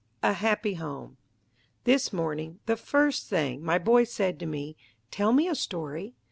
"_ A HAPPY HOME This morning, the first thing, my boy said to me, "Tell me a story."